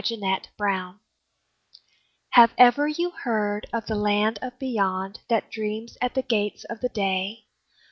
The Land of Beyond Have ever you heard of the Land of Beyond, That dreams at the gates of the day?